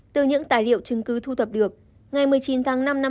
từ những tài liệu chứng cứ thu thập được ngày một mươi chín tháng năm năm hai nghìn hai mươi